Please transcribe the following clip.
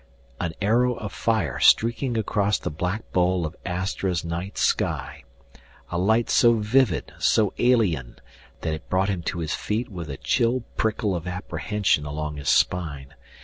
An arrow of fire streaking across the black bowl of Astra's night sky. A light so vivid, so alien, that it brought him to his feet with a chill prickle of apprehension along his spine.